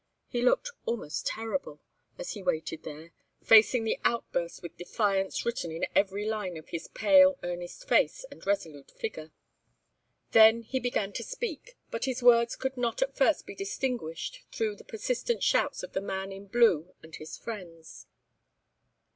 He looked almost terrible, as he waited there, facing the outburst with defiance written in every line of his pale, earnest face and resolute figure. Then he began to speak, but his words could not at first be distinguished through the persistent shouts of the man in blue and his friends.